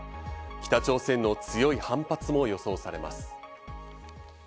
北朝鮮の強い反発も予想されます。